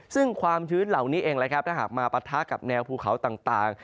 ซึ่งความชื้นเหล่านี้เองถ้าหากมาปะทะกับแนวภูเขาต่าง